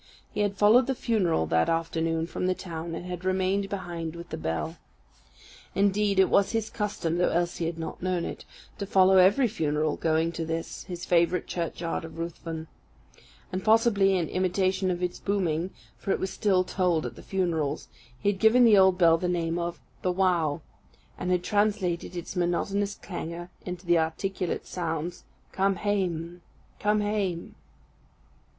He had followed the funeral that afternoon from the town, and had remained behind with the bell. Indeed it was his custom, though Elsie had not known it, to follow every funeral going to this, his favourite churchyard of Ruthven; and, possibly in imitation of its booming, for it was still tolled at the funerals, he had given the old bell the name of the wow, and had translated its monotonous clangour into the articulate sounds come hame, come hame.